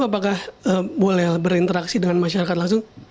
apakah boleh berinteraksi dengan masyarakat langsung